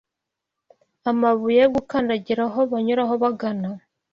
amabuye yo gukandagiraho banyuraho bagana